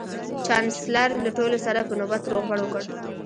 چانسلر له ټولو سره په نوبت روغبړ وکړ